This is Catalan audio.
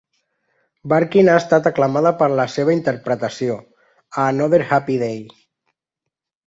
Barkin ha estat aclamada per la seva interpretació a "Another happy day".